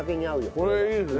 これいいですね。